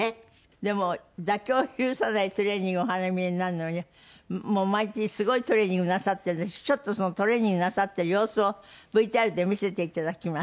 でも妥協を許さないトレーニングをお励みになるのに毎日すごいトレーニングなさってるんでちょっとそのトレーニングなさってる様子をＶＴＲで見せていただきます。